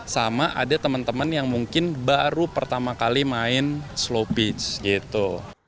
sama ada teman teman yang mungkin baru pertama kali main slow pitch gitu